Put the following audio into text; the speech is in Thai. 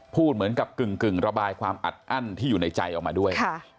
พูดเหมือนกับกึ่งระบายความอัดอั้นที่อยู่ในใจออกมาด้วย